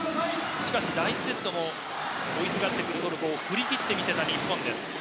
しかし、第１セットも追いすがってくるトルコを振り切っている日本です。